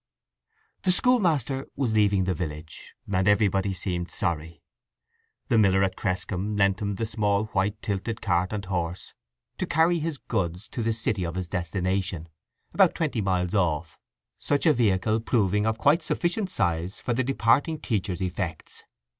I The schoolmaster was leaving the village, and everybody seemed sorry. The miller at Cresscombe lent him the small white tilted cart and horse to carry his goods to the city of his destination, about twenty miles off, such a vehicle proving of quite sufficient size for the departing teacher's effects.